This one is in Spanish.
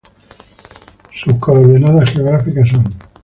Sus coordenadas geográficas son